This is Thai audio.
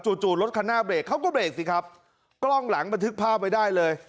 จู่รถคันหน้าเบรกเขาก็เรกสิครับกล้องหลังบันทึกภาพไว้ได้เลย